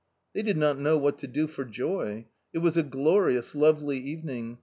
They did not know what to do for joy. It was a glorious, lovely evening.